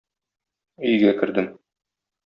Өйгә кердем.